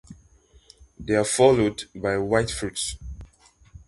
They are followed by white fruits.